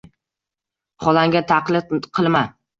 Xolangga taqlid qilma